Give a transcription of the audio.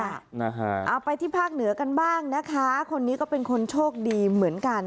เอาไปที่ภาคเหนือกันบ้างนะคะคนนี้ก็เป็นคนโชคดีเหมือนกัน